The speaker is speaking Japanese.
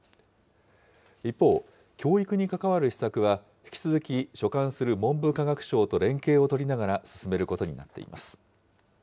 一方、教育に関わる施策は、引き続き、所管する文部科学省と連携を取りながら、進めることになっています。